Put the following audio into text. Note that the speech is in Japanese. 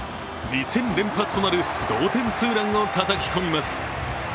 ２戦連発となる同点ツーランをたたき込みます。